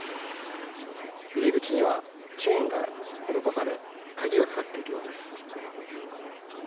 入り口にはチェーンが施され鍵がかかっているようです。